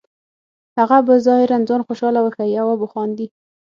هغه به ظاهراً ځان خوشحاله وښیې او وبه خاندي